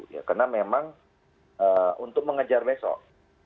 ya karena memang untuk mengejar besok